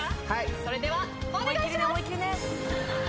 それではお願いします。